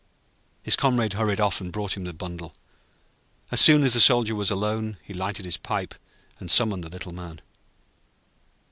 His comrade hurried off and brought him the bundle. As soon as the Soldier was alone, he lighted his pipe and summoned the Little Man.